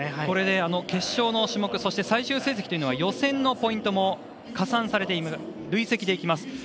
これで決勝の種目そして、最終成績は予選のポイントも加算されて累積でいきます。